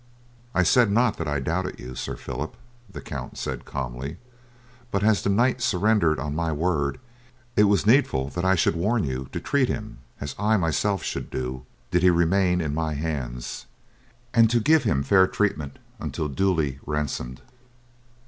"I said not that I doubted you, Sir Phillip," the count said calmly; "but as the knight surrendered on my word, it was needful that I should warn you to treat him as I myself should do did he remain in my hands, and to give him fair treatment until duly ransomed."